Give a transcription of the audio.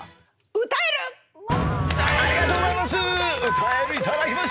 ありがとうございます！